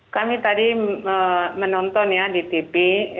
kami tadi menonton ya di tv